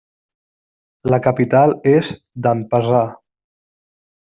La capital és Denpasar.